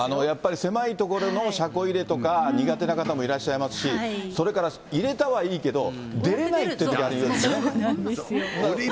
やっぱり狭い所での車庫入れとか苦手な方もいらっしゃいますし、それから入れたはいいけど、そうなんですよ。